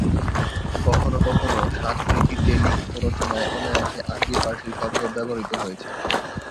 কখনো কখনো সাধু রীতিতে লিখিত রচনায় অনায়াসে আরবি-ফারসি শব্দ ব্যবহৃত হয়েছে।